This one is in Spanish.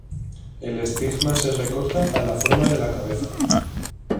El estigma se recorta a la forma de la cabeza.